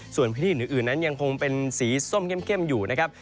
ส่วนพื้นที่อื่นนั้นยังคงเป็นสีส้มเข้มอยู่นะครับ